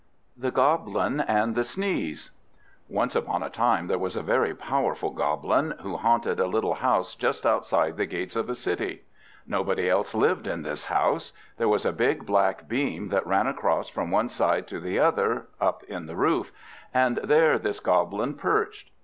THE GOBLIN AND THE SNEEZE Once upon a time there was a very powerful Goblin, who haunted a little house just outside the gates of a city. Nobody else lived in this house. There was a big black beam that ran across from one side to the other, up in the roof; and there this Goblin perched.